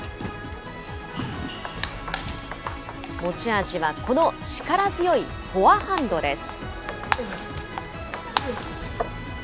持ち味はこの力強いフォアハンドです。